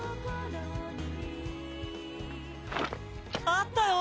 あったよ！